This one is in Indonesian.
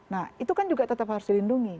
nah itu kan juga tetap harus dilindungi